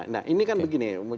nah ini kan begini